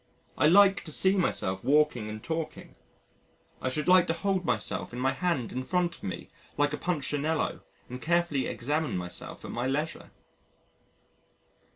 I like to see myself walking and talking. I should like to hold myself in my hand in front of me like a Punchinello and carefully examine myself at my leisure.